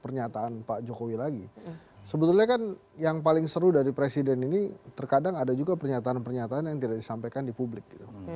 pernyataan pak jokowi lagi sebetulnya kan yang paling seru dari presiden ini terkadang ada juga pernyataan pernyataan yang tidak disampaikan di publik